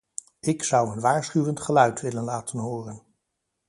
Ik zou een waarschuwend geluid willen laten horen.